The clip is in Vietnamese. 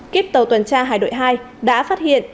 kíp tàu tuần tra hải đội hai đã phát hiện